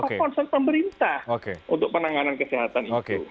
konsen pemerintah untuk penanganan kesehatan itu